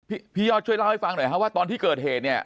พี่พี่ยอดช่วยเล่าให้ฟังหน่อยฮะว่าตอนที่เกิดเหตุเนี่ย